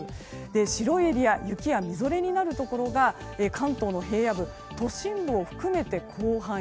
白いエリア雪やみぞれになるところが関東の平野部都心部を含めて広範囲。